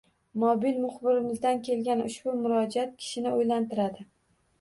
Mobil muxbirimizdan kelgan ushbu murojaat kishini oʻylantiradi.